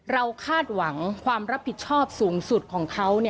คาดหวังความรับผิดชอบสูงสุดของเขา